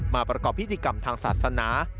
ประกอบพิธีกรรมทางศาสนา